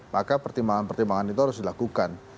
maka pertimbangan pertimbangan itu harus dilakukan